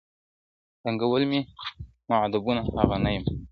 ړنګول مي معبدونه هغه نه یم -